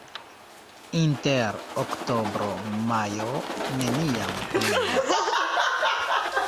Inter oktobro-majo neniam pluvas.